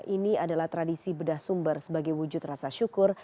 ini adalah tradisi bedah sumber sebagai wujud rasa syukur